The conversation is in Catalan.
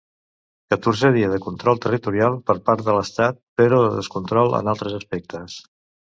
Catorzè dia de control territorial per part l'estat però de descontrol en altres aspectes.